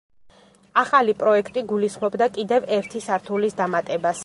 ახალი პროექტი გულისხმობდა კიდევ ერთი სართულის დამატებას.